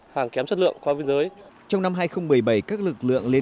hàng kém chất lượng qua biên giới